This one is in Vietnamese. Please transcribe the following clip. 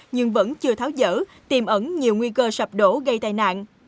nhưng vẫn chưa tháo dở tiềm ẩn nhiều nguy cơ sập đổ gây tai nạn